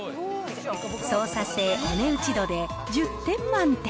操作性、お値打ち度で１０点満点。